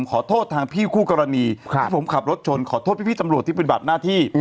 ขอโทษทางพี่คู่กรณีที่ผมขับรถชนขอโทษพี่ตำรวจที่ปฏิบัติหน้าที่